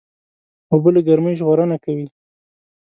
اوبه له ګرمۍ ژغورنه کوي.